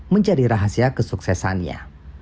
menjadi rahasia kesuksesannya